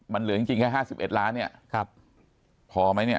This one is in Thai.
มันเหลือจริงแค่๕๑ล้านเนี่ยพอไหมเนี่ย